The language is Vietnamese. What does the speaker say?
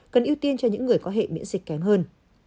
cần ưu tiên cho những người có hệ miễn dịch kém hơn